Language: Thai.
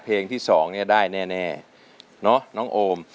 เพลงที่๒ได้แน่เนาะน้องโอม